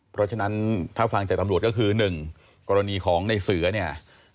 เพราะฉะนั้นถ้าฟังจากตำรวจก็คือ๑กรณีของในเสือเนี่ย